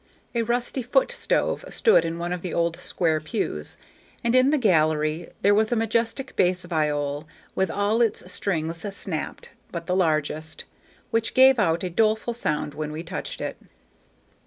A rusty foot stove stood in one of the old square pews, and in the gallery there was a majestic bass viol with all its strings snapped but the largest, which gave out a doleful sound when we touched it.